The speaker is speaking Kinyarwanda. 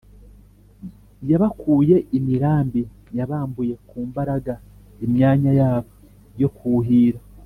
yabakuye imirambi: yabambuye ku mbaraga imyanya yabo yo kuhira